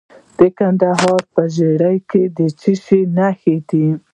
د کندهار په ژیړۍ کې د څه شي نښې دي؟